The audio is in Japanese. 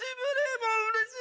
もううれしい。